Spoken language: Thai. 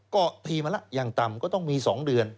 ก็พีมาแล้วอย่างต่ำก็ต้องมี๒เดือน